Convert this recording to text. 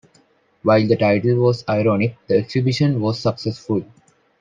While the title was ironic, the exhibition was successful.